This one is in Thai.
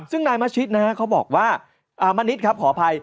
ซึ่งนายเมชิกนะครับเขาบอกว่าอามณิชครับขออภัย